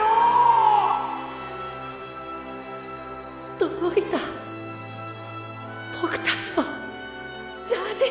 届いたボクたちのジャージ